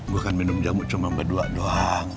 gue kan minum jamu cuma berdua doang